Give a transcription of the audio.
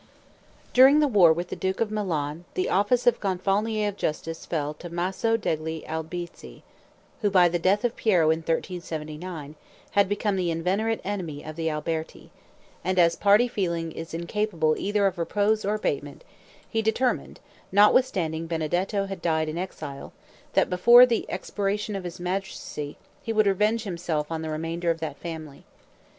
During the war with the duke of Milan the office of Gonfalonier of Justice fell to Maso degli Albizzi, who by the death of Piero in 1379, had become the inveterate enemy of the Alberti: and as party feeling is incapable either of repose or abatement, he determined, notwithstanding Benedetto had died in exile, that before the expiration of his magistracy, he would revenge himself on the remainder of that family.